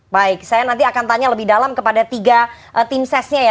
baik saya nanti akan tanya lebih dalam kepada tiga team sesnya ya